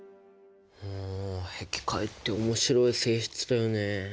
へき開って面白い性質だよね。